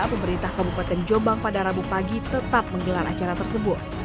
pemerintah kabupaten jombang pada rabu pagi tetap menggelar acara tersebut